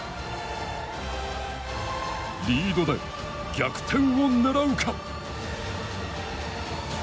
リードで逆転を狙うか。